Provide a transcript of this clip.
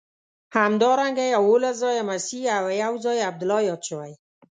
همدارنګه یوولس ځایه مسیح او یو ځای عبدالله یاد شوی.